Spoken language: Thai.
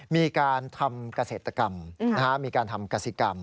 มีการทำเกษตรกรรมมีการทำกสิกรรม